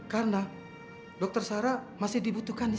kau berdoa seperti sisi dulu ya